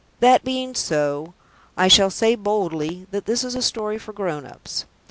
That being so, I shall say boldly that this is a story for grown ups.